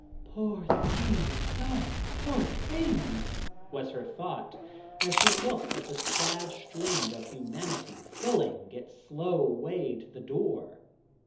"Poor things! Oh! poor things!" was her thought, as she looked at the sad string of humanity filing its slow way to the door.